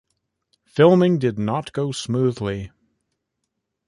Filming did not go smoothly.